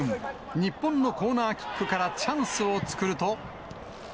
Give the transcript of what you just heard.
日本のコーナーキックからチャンスを作ると。